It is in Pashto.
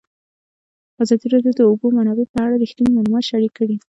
ازادي راډیو د د اوبو منابع په اړه رښتیني معلومات شریک کړي.